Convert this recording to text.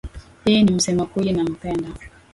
Yeye ni msema kweli nampenda